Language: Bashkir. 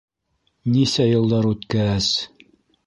Нисә йылдар үткәс...